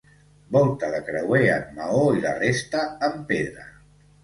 Volta de creuer en maó i la resta en pedra.